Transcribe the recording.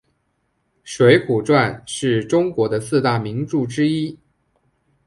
水浒传是中国的四大名著之一。